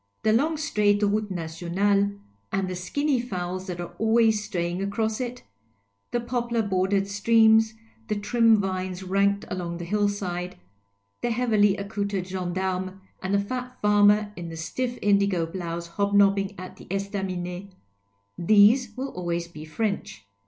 The long straight route nationale and the skinny fowls that are always stray ing across it, the poplar bordered streams, the trim vines ranked along the hill side, the heavily accoutred gendarme and the fat farmer in the stiff indigo blouse hobnobbing at the esiaminet, these will always be French.